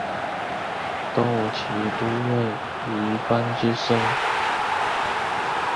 东吴骑都尉虞翻之孙。